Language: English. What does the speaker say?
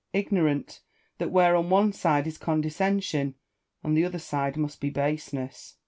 ignorant that where on one side is condescension, on the other side must be baseness.